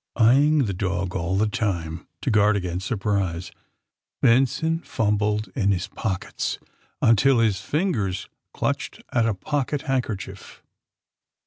'^ Eyeing the dog all the time, to guard against surprise, Benson fumbled in his pockets until his fingers clutched at a pocket handkerchief.